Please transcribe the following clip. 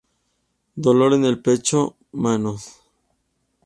Dolor en el pecho, manos.